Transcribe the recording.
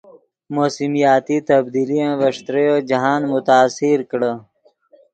موسمیاتی تبدیلین ڤے ݯتریو جاہند متاثر کڑے